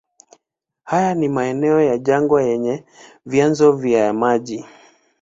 Haya ni maeneo ya jangwa yenye vyanzo vya maji.